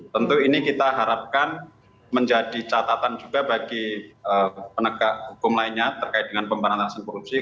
tentu ini kita harapkan menjadi catatan juga bagi penegak hukum lainnya terkait dengan pemberantasan korupsi